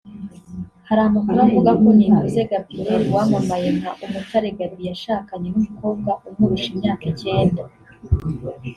Hari amakuru avuga ko Nikuze Gabriel wamamaye nka Umutare Gaby yashakanye n’umukobwa umurusha imyaka icyenda